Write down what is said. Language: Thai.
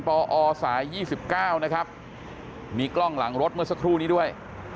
ปอสาย๒๙นะครับมีกล้องหลังรถเมื่อสักครู่นี้ด้วย